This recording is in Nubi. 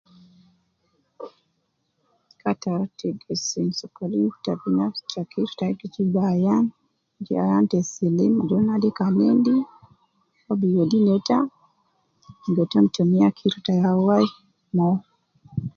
Ata te gesim sokolin ta binafsi je kirta gi jib ayan, je ayan te silim, ajol naade kan endi, obi wedi neeta, ligo tom tumiya kirta ya wai me uwo